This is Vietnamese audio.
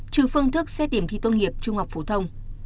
trừ phương thức xét điểm thi tốt nghiệp trung học phổ thông